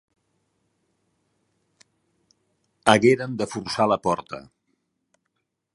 Hagueren de forçar la porta.